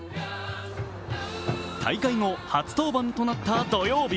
大会後、初登板となった土曜日。